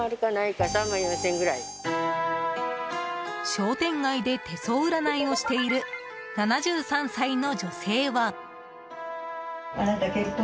商店街で手相占いをしている７３歳の女性は。